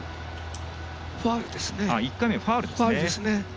１回目はファウルですね。